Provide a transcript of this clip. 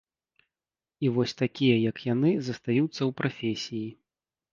І вось такія, як яны, застаюцца ў прафесіі.